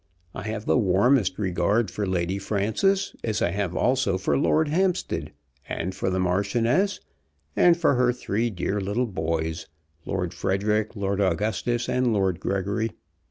I have the warmest regard for Lady Frances, as I have also for Lord Hampstead, and for the Marchioness, and for her three dear little boys, Lord Frederic, Lord Augustus, and Lord Gregory.